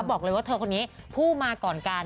บอกเลยว่าเธอคนนี้ผู้มาก่อนกัน